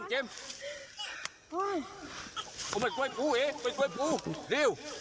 ต้องไปกดอีกเกี๊ยว